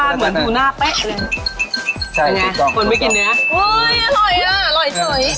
อร่อยจอย